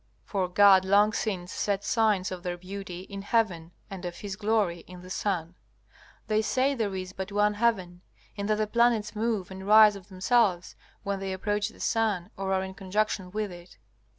For God long since set signs of their beauty in heaven, and of His glory in the sun. They say there is but one heaven, and that the planets move and rise of themselves when they approach the sun or are in conjunction with it.